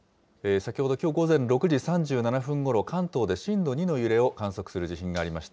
先ほど、きょう午前６時３７分ごろ、関東で震度２の揺れを観測する地震がありました。